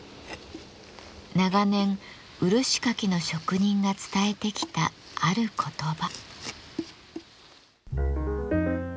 長年漆かきの職人が伝えてきたある言葉。